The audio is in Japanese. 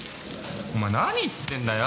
お前何言ってんだよ。